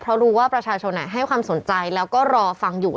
เพราะรู้ว่าประชาชนให้ความสนใจแล้วก็รอฟังอยู่